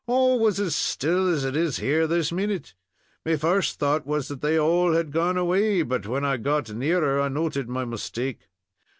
All was as still as it is here this minute. Me first thought was that they all had gone away, but when I got nearer, I noted my mistake.